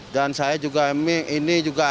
saya juga ini juga